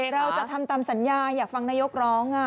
เราจะทำตามสัญญาอยากฟังนายกร้อง